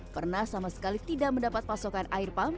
pernah sama sekali tidak mendapat pasokan air pump